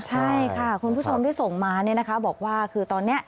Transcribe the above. ใช่ค่ะคุณผู้ชมที่ส่งมาบอกว่าคือตอนนี้